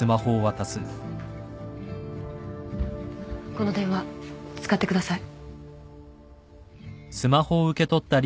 この電話使ってください。